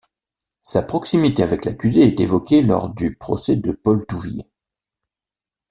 Sa proximité avec l'accusé est évoquée lors du procès de Paul Touvier.